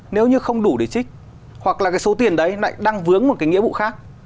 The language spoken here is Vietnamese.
nếu như không đủ để trích hoặc là cái số tiền đấy lại đang vướng một cái nghĩa vụ khác